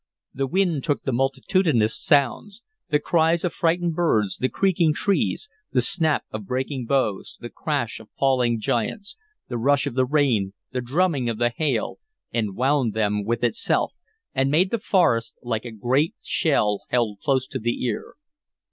The wind took the multitudinous sounds, the cries of frightened birds, the creaking trees, the snap of breaking boughs, the crash of falling giants, the rush of the rain, the drumming of the hail, enwound them with itself, and made the forest like a great shell held close to the ear.